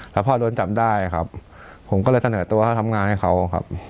แล้วพอโดนจับได้ครับผมก็เลยเสนอตัวเขาทำงานให้เขาครับ